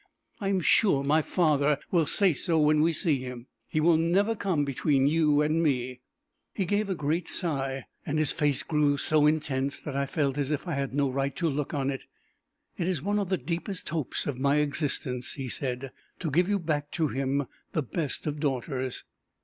I am sure my father will say so when we see him. He will never come between you and me." He gave a great sigh, and his face grew so intense that I felt as if I had no right to look on it. "It is one of the deepest hopes of my existence," he said, "to give you back to him the best of daughters.